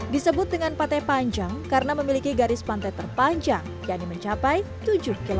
disebut dengan pantai panjang karena memiliki garis pantai terpanjang yang mencapai tujuh km